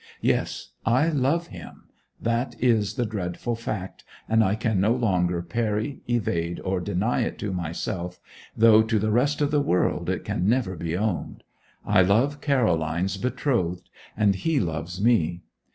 Yes, I love him that is the dreadful fact, and I can no longer parry, evade, or deny it to myself though to the rest of the world it can never be owned. I love Caroline's betrothed, and he loves me.